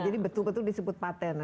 jadi betul betul disebut patent